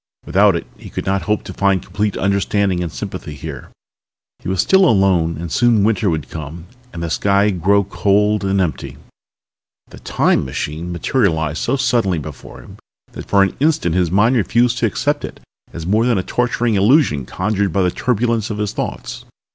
Without it he could not hope to find complete understanding and sympathy here. He was still alone and soon winter would come and the sky grow cold and empty ... The Time machine materialized so suddenly before him that for an instant his mind refused to accept it as more than a torturing illusion conjured up by the turbulence of his thoughts.